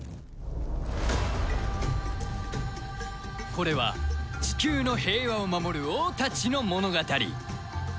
これはチキューの平和を守る王たちの物語